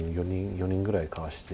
４人ぐらいかわして。